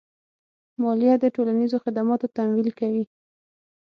مالیه د ټولنیزو خدماتو تمویل کوي.